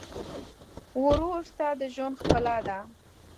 ورور ستا د ژوند ښکلا ده.